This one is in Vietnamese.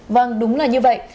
vâng đúng là như vậy